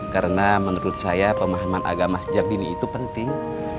karena menurut saya pemahaman agama sejak dini itu penting